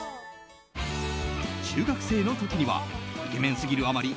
中学生の時にはイケメン過ぎるあまり